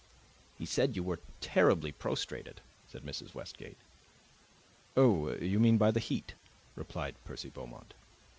"He said you were so terribly prostrated," said Mrs. Westgate. "Oh, you mean by the heat?" replied Percy Beaumont.